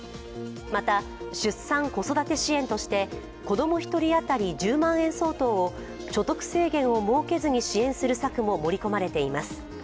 また出産・子育て支援として子供１人当たり１０万円相当を所得制限を設けずに支援する策も盛り込まれています。